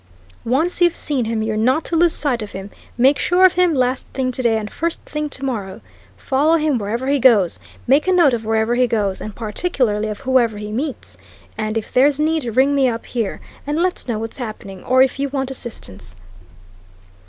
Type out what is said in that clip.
Once you've seen him, you're not to lose sight of him; make sure of him last thing today and first thing tomorrow. Follow him wherever he goes, make a note of wherever he goes, and particularly of whoever he meets. And if there's need, ring me up here, and let's know what's happening, or if you want assistance."